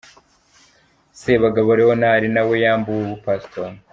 Sebagabo Leonard na we yambuwe umupasitori.